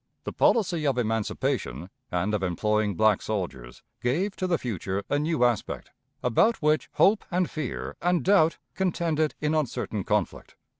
The policy of emancipation and of employing black soldiers gave to the future a new aspect, about which hope and fear and doubt contended in uncertain conflict.